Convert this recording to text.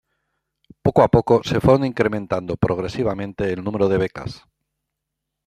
Poco a poco se fueron incrementando progresivamente el número de becas.